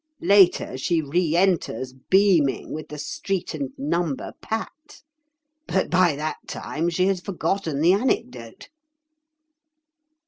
Later she re enters, beaming, with the street and number pat. But by that time she has forgotten the anecdote."